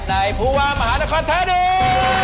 ในภูวามหานครเทดีย์